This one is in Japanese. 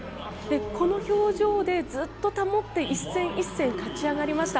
この表情でずっと保って１戦１戦勝ち上がりました。